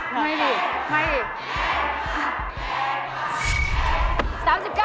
ไม่ดีไม่อีก